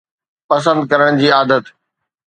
پسند ڪرڻ جي عادت